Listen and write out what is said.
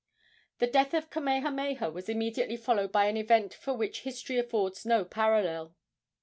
The death of Kamehameha was immediately followed by an event for which history affords no parallel.